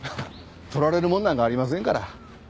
取られるもんなんかありませんから。